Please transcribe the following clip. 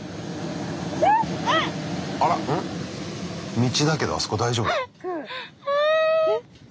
あら道だけどあそこ大丈夫？